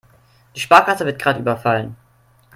Die Sparkasse wird gerade überfallen.